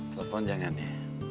telepon jangan ya